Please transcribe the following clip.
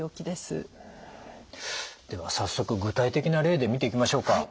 では早速具体的な例で見ていきましょうか。